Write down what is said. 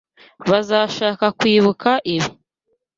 Bazashaka kwibuka ibi.